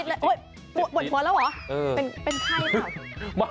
ปวดหัวแล้วเหรอเป็นไข้เหรอ